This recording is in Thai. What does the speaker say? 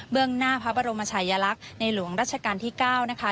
เบื้องหน้าพระบรมชายลักษณ์ในหลวงราชกรรมที่๙นะคะ